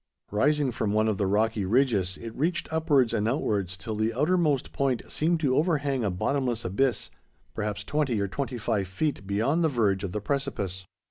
Rising from one of the rocky ridges, it reached upwards and outwards till the outermost point seemed to overhang a bottomless abyss, perhaps twenty or twenty five feet beyond the verge of the precipice.